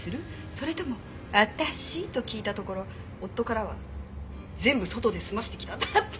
それとも私？」と聞いたところ夫からは「全部外で済ましてきた」だって！